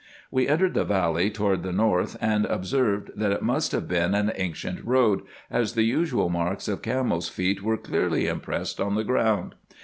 We entered the valley toward the north, and observed, that it must have been an ancient road, as the usual marks of camels' feet were clearly impressed on the ground.